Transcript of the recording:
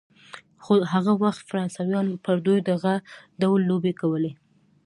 خو هغه وخت فرانسویانو پر دوی دغه ډول لوبې کولې.